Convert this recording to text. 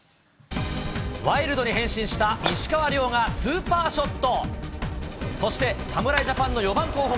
ワイルドに変身した石川遼がスーパーショット。